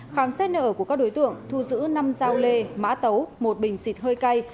khám xét nở của các đối tượng thu giữ năm dao lê mã tấu một bình xịt hơi cay